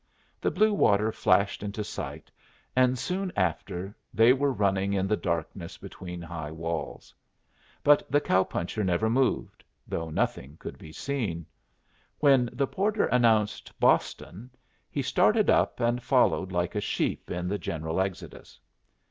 The blue water flashed into sight, and soon after they were running in the darkness between high walls; but the cow puncher never moved, though nothing could be seen. When the porter announced "Boston," he started up and followed like a sheep in the general exodus.